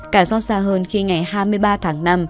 cả xót xa hơn khi ngày hai mươi ba tháng năm